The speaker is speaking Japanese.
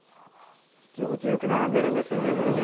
行儀よく並んでるんですよねこれね。